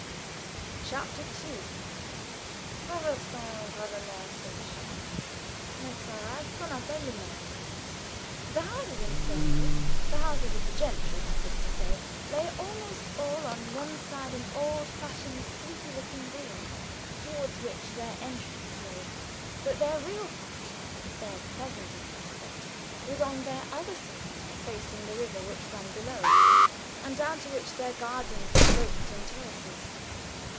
CHAPTER II. "Traversons gravement cette méchante mascarade qu'on appelle le monde" The houses in Skernford the houses of "the gentry," that is to say lay almost all on one side an old fashioned, sleepy looking "green" toward which their entrances lay; but their real front, their pleasantest aspect, was on their other side, facing the river which ran below, and down to which their gardens sloped in terraces.